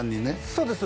そうです